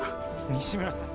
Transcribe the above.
西村さん。